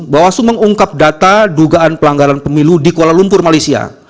bawaslu mengungkap data dugaan pelanggaran pemilu di kuala lumpur malaysia